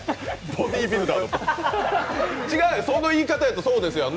その言い方だとそうですやんね。